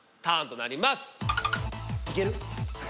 いける？